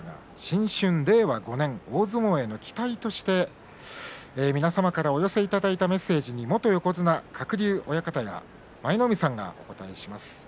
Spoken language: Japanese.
このあとの幕内の時間ですが新春令和５年、大相撲への期待として皆様からお寄せいただいたメッセージに元横綱鶴竜親方や舞の海さんがお答えします。